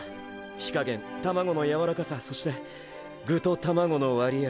火加減卵のやわらかさそして具と卵の割合